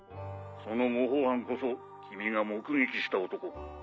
その模倣犯こそ君が目撃した男。